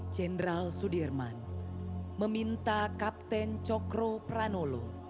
jenderal sudirman meminta kapten cokro pranolo